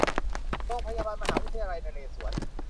โรงพยาบาลมหาวิทยาลัยนเรศวร